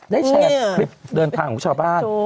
แชร์คลิปเดินทางของชาวบ้าน